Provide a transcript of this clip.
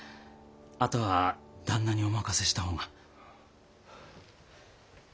あとは旦那にお任せしたほうが。